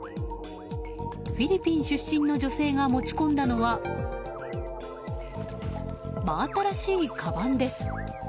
フィリピン出身の女性が持ち込んだのは真新しいかばんです。